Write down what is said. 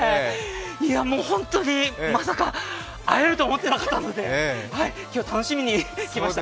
もう本当にまさか会えると思ってなかったんで今日は楽しみに来ました。